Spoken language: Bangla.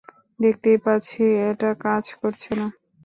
দেখতেই পাচ্ছি এটা কাজ করছে না।